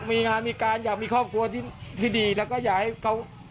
มีงานมีการอยากมีครอบครัวที่ดีแล้วก็อยากให้เขา